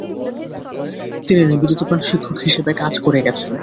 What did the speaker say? তিনি নিবেদিতপ্রাণ শিক্ষক হিসেবে কাজ করে গেছেন।